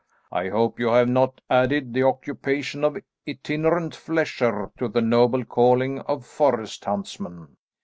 I hope you have not added the occupation of itinerant flesher to the noble calling of forest huntsman?"